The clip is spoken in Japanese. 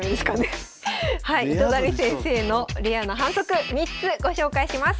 糸谷先生のレアな反則３つご紹介します。